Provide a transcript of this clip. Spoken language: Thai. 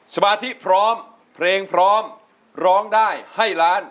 สมาธิพร้อมเพลงพร้อมร้องได้ให้ล้าน